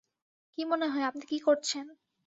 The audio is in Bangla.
কি মনেহয় আপনি কি করছেন?